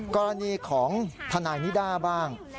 กรณีของทนายนิด้าบ้าง